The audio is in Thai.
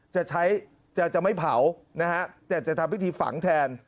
จะใช้จะไม่เผานะฮะแต่จะทำพิธีฝังแทน